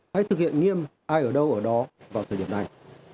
hãy thực hiện nghiêm ai ở đâu ở đó vào thời điểm này